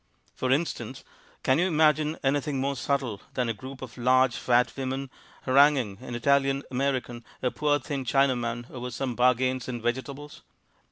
For instance, can you imagine anything more subtle than a group of large fat women haranguing, in Italian American, a poor thin Chinaman over some bargains in vegetables?